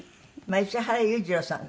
石原裕次郎さん。